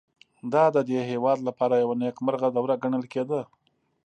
دا د دې هېواد لپاره یوه نېکمرغه دوره ګڼل کېده